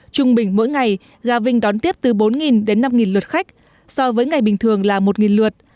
trung bình mỗi ngày ga vinh đón tiếp từ bốn đến năm lượt khách so với ngày bình thường là một lượt